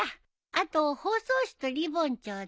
あと包装紙とリボンちょうだい。